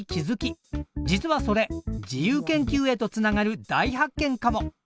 実はそれ自由研究へとつながる大発見かも！